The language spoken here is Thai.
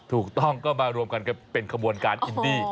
ถูกต้องก็มารวมกันเป็นขบวนการอินดี้